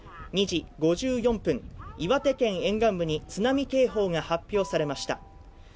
２時５４分岩手県沿岸部に津波警報が発表されました。